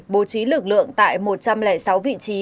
bố trí lực lượng tại một trăm linh sáu vị trí